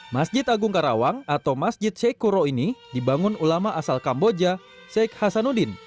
masjid agung karawang atau masjid sheikhro ini dibangun ulama asal kamboja sheikh hasanuddin